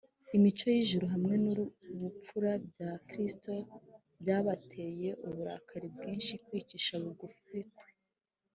imico y’ijuru hamwe n’ubupfura bya kristo byabateye uburakari bwinshi kwicisha bugufi kwe,